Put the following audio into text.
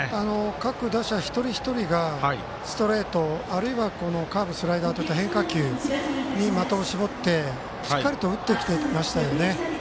各打者一人一人がストレートあるいはカーブ、スライダーといった変化球に的を絞ってしっかりと打ってきていましたね。